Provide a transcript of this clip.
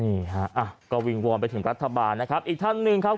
นี่ฮะอ่ะก็วิงวอนไปถึงรัฐบาลนะครับอีกท่านหนึ่งครับ